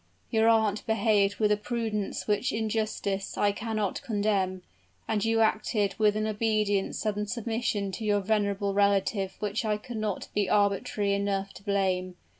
"Your aunt behaved with a prudence which in justice I cannot condemn; and you acted with an obedience and submission to your venerable relative which I could not be arbitrary enough to blame.